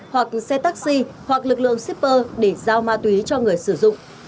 hoặc xe taxi hoặc lực lượng shipper để giao ma túy cho người sử dụng